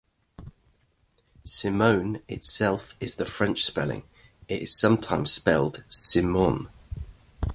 "Simone" itself is the French spelling; it is sometimes spelled Simonne.